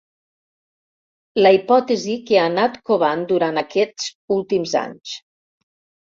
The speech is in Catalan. La hipòtesi que ha anat covant durant aquests últims anys.